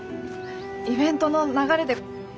イベントの流れでざって。